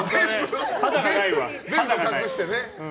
全部隠してね。